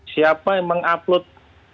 siapa yang mengupload